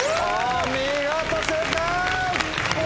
お見事正解！